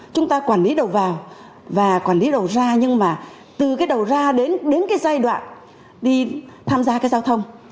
chúng ta quản lý đầu vào và quản lý đầu ra nhưng mà từ cái đầu ra đến cái giai đoạn đi tham gia cái giao thông